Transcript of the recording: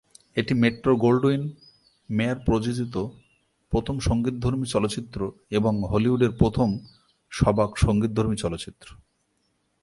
এটি মেট্রো-গোল্ডউইন-মেয়ার প্রযোজিত প্রথম সঙ্গীতধর্মী চলচ্চিত্র এবং হলিউডের প্রথম সবাক সঙ্গীতধর্মী চলচ্চিত্র।